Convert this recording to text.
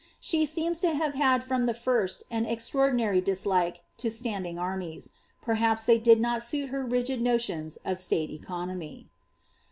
She seems lo have had from tlw first an extraordinary dislike to standing armies ; perhaps Uiey did not suit her rigid notions of slate economy.